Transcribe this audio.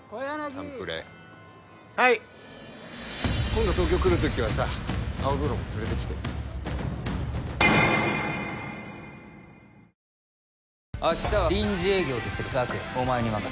誕プレはい今度東京来る時はさ青空も連れてきて犬塚根室